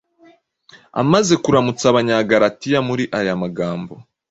Amaze kuramutsa Abanyagalatiya muri aya magambo